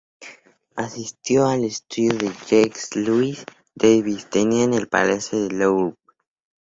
Asistió al estudio que Jacques-Louis David tenía en el Palacio del Louvre.